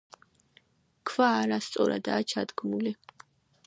ქვა არასწორადაა ჩადგმული.